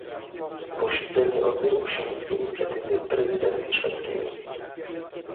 Posiedzenie odbyło się z inicjatywy prezydencji szwedzkiej